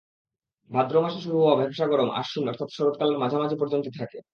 ভাদ্র মাসে শুরু হওয়া ভ্যাপসা গরম আশ্বিন, অর্থাৎ শরৎকালের মাঝামাঝি পর্যন্ত থাকে।